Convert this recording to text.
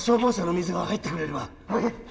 はい。